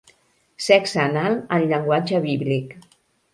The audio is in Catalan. Sexe anal en llenguatge bíblic.